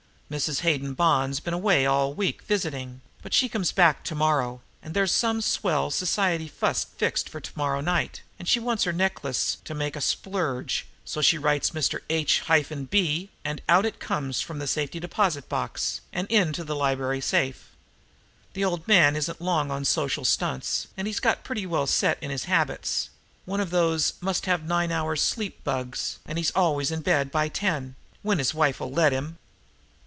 Mrs. Hayden Bond's been away all week visiting, but she comes back to morrow, and there's some swell society fuss fixed for to morrow night, and she wants her necklace to make a splurge, so she writes Mr. H hyphen B, and out it comes from the safety deposit vault, and into the library safe. The old man isn't long on social stunts, and he's got pretty well set in his habits; one of those must have nine hours' sleep bugs, and he's always in bed by ten when his wife'll let him.